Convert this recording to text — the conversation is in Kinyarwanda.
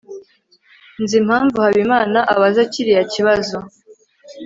nzi impamvu habimana abaza kiriya kibazo